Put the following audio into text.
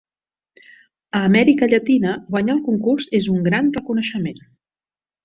A Amèrica Llatina, guanyar el concurs és un gran reconeixement.